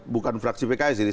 bukan fraksi pks ini